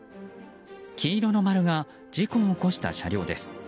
黄色の○が事故を起こした車両です。